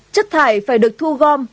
chất thải phải được thu gom